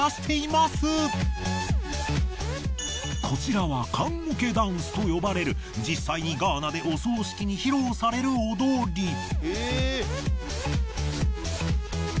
こちらは棺桶ダンスと呼ばれる実際にガーナでお葬式に披露される踊り。